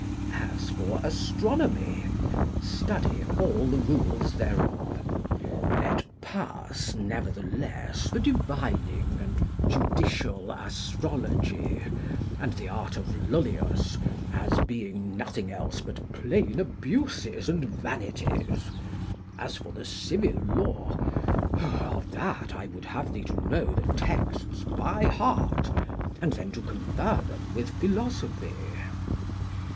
As for astronomy, study all the rules thereof. Let pass, nevertheless, the divining and judicial astrology, and the art of Lullius, as being nothing else but plain abuses and vanities. As for the civil law, of that I would have thee to know the texts by heart, and then to confer them with philosophy.